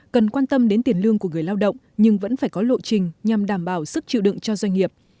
cần quan tâm đến tiền lương của người lao động nhưng vẫn phải có lộ trình nhằm đảm bảo sức chịu đựng cho doanh nghiệp